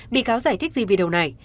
bị cáo giải thích gì video này